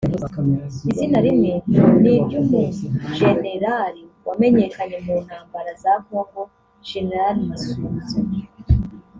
Izina rimwe n’iry’Umugenerali wamenyekanye mu ntambara za Kongo ; Gen Masunzu